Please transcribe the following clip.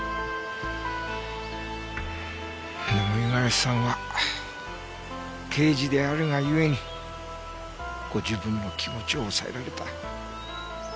でも五十嵐さんは刑事であるが故にご自分の気持ちを抑えられた。